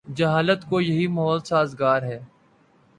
جہالت کو یہی ماحول سازگار ہے۔